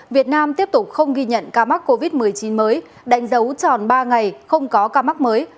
việt nam tiếp tục không ghi nhận ca mắc covid một mươi chín mới đánh dấu tròn ba ngày không có ca mắc mới